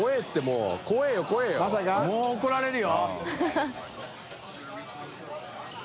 もう怒られるよ。